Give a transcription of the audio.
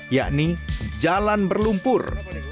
yakni jalan berlumpur